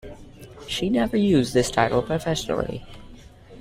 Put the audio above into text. She never used this title professionally.